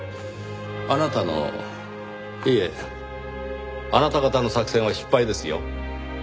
あなたのいえあなた方の作戦は失敗ですよ。